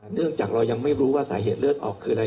เนื่องจากเรายังไม่รู้ว่าสาเหตุเลือดออกคืออะไร